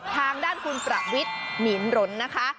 ทางด้านคุณประวิทย์หมีนรนนะคะ